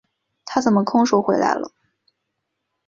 他怎么空手回来了？